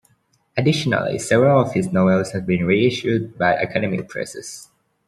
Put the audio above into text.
Additionally, several of his novels have been reissued by academic presses.